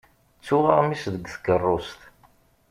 Ttuɣ aɣmis deg tkeṛṛust.